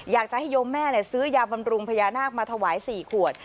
อยากจะให้โยมแม่ซื้อยาบำรุงพญานาคมาถวาย๔ขวด